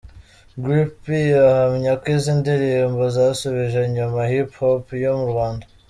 Greep P ahamya ko izi ndirimbo zasubije inyuma hip hop yo mu Rwanda.